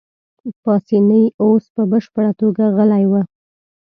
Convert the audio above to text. پاسیني اوس په بشپړه توګه غلی وو.